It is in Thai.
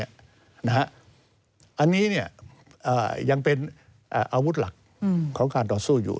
อันนี้ยังเป็นอาวุธหลักของการต่อสู้อยู่